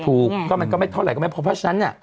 ถูกก็มันก็ไม่เท่าไหร่ก็ไม่พอเพราะฉะนั้นเนี่ย